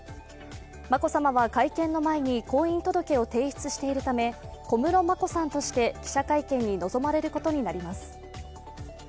眞子さまは会見の前に婚姻届を提出しているため小室眞子さんとして記者会見に臨まれることになります。